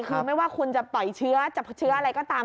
คือไม่ว่าคุณจะปล่อยเชื้ออะไรก็ตาม